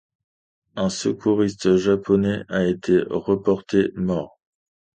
Un secouriste japonais a été reporté mort.